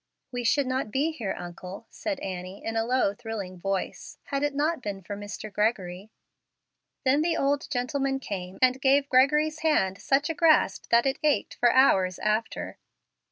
"We should not be here, uncle," said Annie, in a low, thrilling voice, "had it not been for Mr. Gregory." Then the old gentleman came and gave Gregory's hand such a grasp that it ached for hours after.